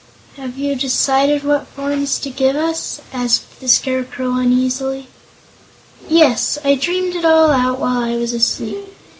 "Have you decided what forms to give us?" asked the Scarecrow, uneasily. "Yes; I dreamed it all out while I was asleep.